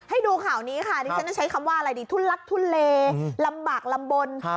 ให้ดูข่าวนี้ค่ะว่าอะไรดิทุนลักทุนเลหลำบากลำบลครับ